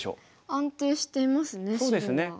安定していますね白は。